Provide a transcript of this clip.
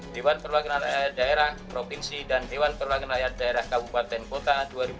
dewan perwakilan daerah provinsi dan dewan perwakilan rakyat daerah kabupaten kota dua ribu dua puluh